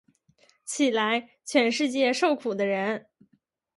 起来，全世界受苦的人！